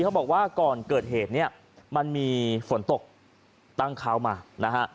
เขาบอกว่าก่อนเกิดเหตุเนี่ยมันมีฝนตกตั้งเขามานะฮะ